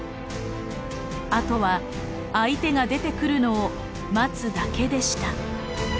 あとは相手が出てくるのを待つだけでした。